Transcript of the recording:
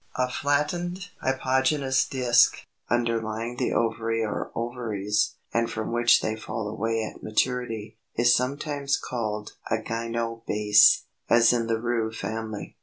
A flattened hypogynous disk, underlying the ovary or ovaries, and from which they fall away at maturity, is sometimes called a GYNOBASE, as in the Rue family.